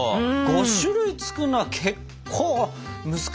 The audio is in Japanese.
５種類作るのは結構難しいんじゃない？